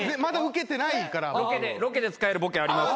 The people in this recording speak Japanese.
ロケで使えるボケあります。